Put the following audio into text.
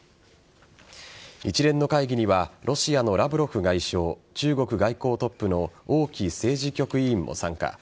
一連の会議にはロシアのラブロフ外相中国外交トップの王毅政治局委員も参加。